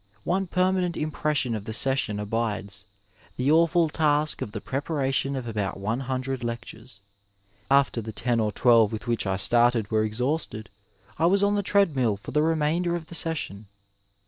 One permanent impression of the session abides — ^the awful task of the preparation of about one hundred lectures. After the ten or twelve with which I started were eiliausted I was on the treadmill for the remainder of the session.